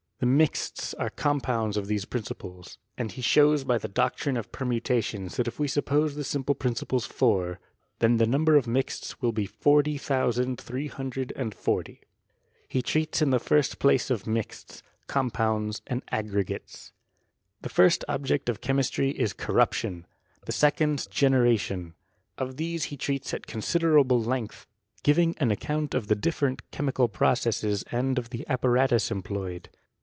The mixtg are compoimds of these principles ; and he shows by the doctrine of permutations that if we suppose the sun pie principles four, then the number of mixts will be 40,340. He treats in the first place of mixts, com pounds, and aggregates. The first object of chemistry is corruption, the se cond generation. Of these be treats at considerable length, giving an account of the different chemical processes, and of the apparatus employed.